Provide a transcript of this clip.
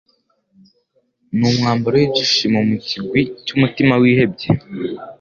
n'umwambaro w'ibyishimo mu kigwi cy'umutima wihebye.»